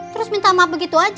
terus minta maaf begitu aja